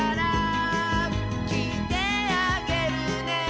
「きいてあげるね」